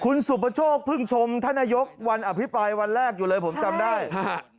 คุณสุประโชคเพิ่งชมท่านนายกวันอภิปรายวันแรกอยู่เลยผมจำได้ฮะ